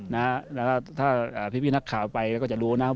แล้วก็ถ้าพี่นักข่าวไปแล้วก็จะรู้นะครับ